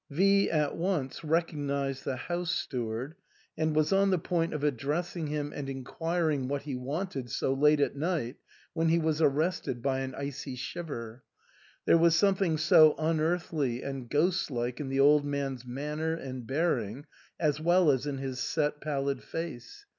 V at once recognised the house steward, and was on the point of addressing him and inquiring what he wanted so late at night, when he was arrested by an icy shiver ; there was something so unearthly and ghost like in the old man's manner and bearing as well as in his set, pallid face.